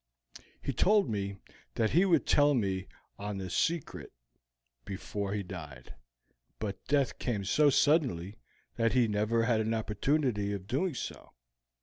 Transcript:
He told me that he would tell me the secret before he died; but death came so suddenly that he never had an opportunity of doing so.